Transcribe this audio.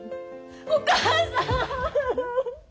お母さん！